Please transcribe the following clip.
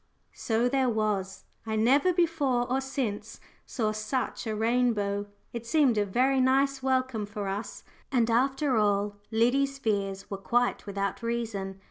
So there was. I never before or since saw such a rainbow it seemed a very nice welcome for us, and after all, Liddy's fears were quite without reason.